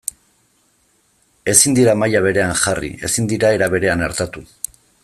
Ezin dira maila berean jarri, ezin dira era berean artatu.